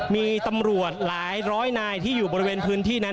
มีตำรวจหลายร้อยนายที่อยู่บริเวณพื้นที่นั้น